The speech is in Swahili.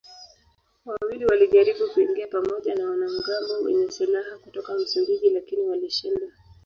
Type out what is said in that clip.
Wawili walijaribu kuingia pamoja na wanamgambo wenye silaha kutoka Msumbiji lakini walishindwa.